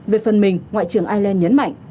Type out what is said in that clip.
về phần mình ngoại trưởng ireland nhấn mạnh